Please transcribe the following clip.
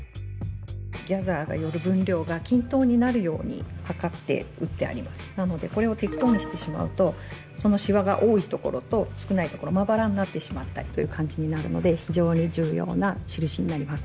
このひと手間が仕上がりを決めますなのでこれを適当にしてしまうとそのシワが多いところと少ないところまばらになってしまったりという感じになるので非常に重要な印になります。